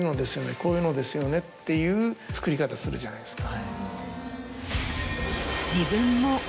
「こういうのですよね」っていう作り方するじゃないですか。